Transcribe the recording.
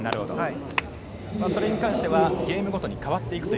それに関してはゲームごとに代わっていくと。